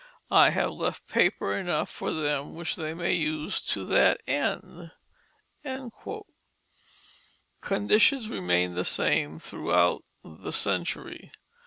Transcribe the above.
I have left paper enough for them which they may use to that end." Conditions remained the same throughout the century.